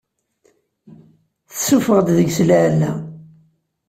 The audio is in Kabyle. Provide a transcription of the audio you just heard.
Tessuffeɣ-d deg-s lɛella.